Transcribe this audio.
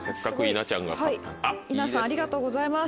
稲さんありがとうございます。